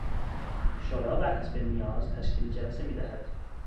شورا بر حسب نیاز تشکیل جلسه میدهد.